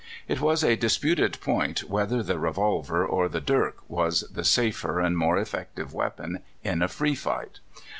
It was a disputed point whether the re volver or the dirk was the safer and more effect ive weapon in a free fight.